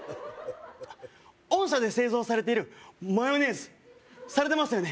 あっ御社で製造されているマヨネーズされてますよね？